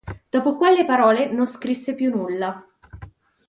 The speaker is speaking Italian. Dopo quelle parole non scrisse più nulla.